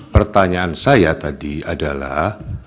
pertanyaan saya tadi adalah